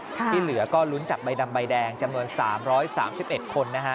ที่เหลือก็ลุ้นจับใบดำใบแดงจำนวน๓๓๑คนนะฮะ